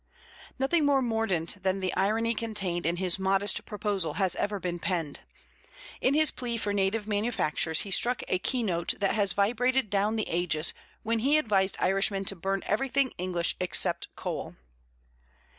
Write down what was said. Nothing more mordant than the irony contained in his Modest Proposal has ever been penned. In his plea for native manufactures he struck a keynote that has vibrated down the ages when he advised Irishmen to burn everything English except coal!